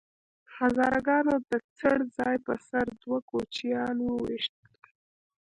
هزاره ګانو د څړ ځای په سر دوه کوچیان وويشتل